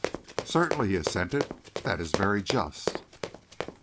"Certainly," he assented. "That is very just."